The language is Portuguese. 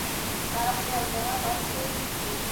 Para viajar basta existir.